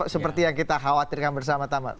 seperti yang kita khawatirkan bersama sama